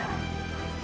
siliwangi dan nurjati